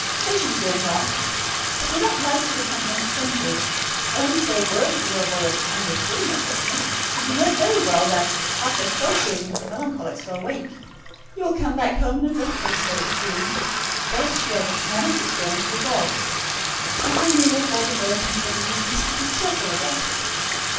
Patient doing well. But we don't like to depend on strangers. I wouldn't say a word if you were away on legitimate business, but you know very well that, after associating with melancholics for a week, you will come back home in a dreadful state of gloom, dead sure that humanity is going to the dogs; and upon me will fall the burden of getting you decently cheerful again.